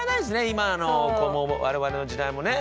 今の子も我々の時代もね。